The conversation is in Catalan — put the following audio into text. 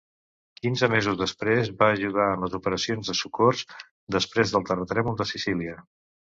Quinze mesos després, va ajudar en les operacions de socors després del terratrèmol de Sicília.